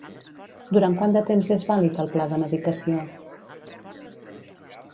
Durant quant de temps és vàlid el pla de medicació?